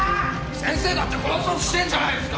先生だって殺そうとしてんじゃないですか！